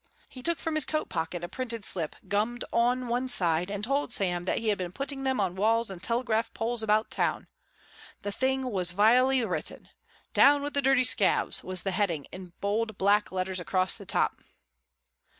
He took from his coat pocket a printed slip, gummed on one side, and told Sam that he had been putting them on walls and telegraph poles about town. The thing was vilely written. "Down with the dirty scabs" was the heading in bold, black letters across the top.